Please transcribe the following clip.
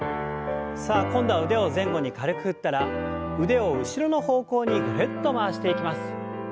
さあ今度は腕を前後に軽く振ったら腕を後ろの方向にぐるっと回していきます。